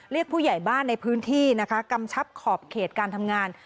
ผู้ใหญ่บ้านในพื้นที่นะคะกำชับขอบเขตการทำงาน